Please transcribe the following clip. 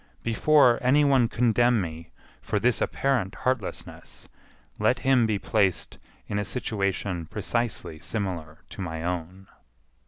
Before any one condemn me for this apparent heartlessness, let him be placed in a situation precisely similar to my own.